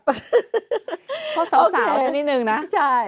พบสาวนิดนึงนะ